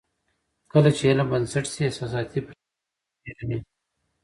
کله چې علم بنسټ شي، احساساتي پرېکړې غالبېږي نه.